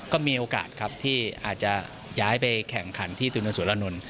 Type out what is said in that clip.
ก็มีโอกาสครับที่อาจจะย้ายไปแข่งขันที่ตุนสุรนนท์